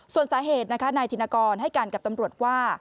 ส่วนสาเหตุนะคะนายธินกรให้การกับตำรวจว่า